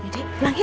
yaudah pulang yuk